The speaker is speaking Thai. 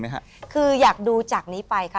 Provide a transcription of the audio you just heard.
คืออยากดูจากนี้ไปค่ะ